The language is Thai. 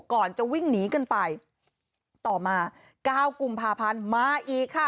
ก่อนจะวิ่งหนีกันไปต่อมาเก้ากุมภาพันธ์มาอีกค่ะ